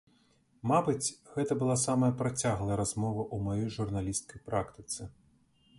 Мабыць, гэта была самая працяглая размова ў маёй журналісцкай практыцы.